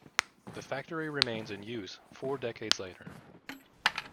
The factory remains in use four decades later.